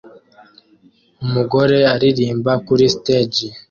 Umugore aririmba kuri stage